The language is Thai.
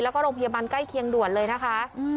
แล้วก็โรงพยาบาลใกล้เคียงด่วนเลยนะคะ